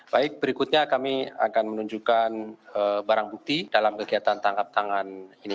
baik berikutnya kami akan menunjukkan barang bukti dalam kegiatan tangkap tangan ini